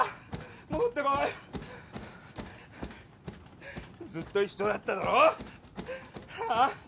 戻ってこいずっと一緒だっただろああ？